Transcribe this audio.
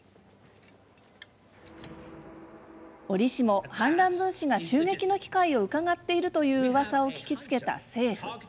折しも、反乱分子が襲撃の機会をうかがっているという、うわさを聞きつけた政府。